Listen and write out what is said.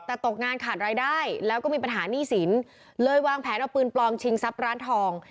แต่ตกงานขาดรายได้แล้วก็มีปัญหาหนี้สินเลยวางแผนเอาปืนปลอมชิงทรัพย์ร้านทอง